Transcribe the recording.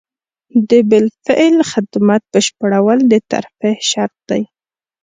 د بالفعل خدمت بشپړول د ترفیع شرط دی.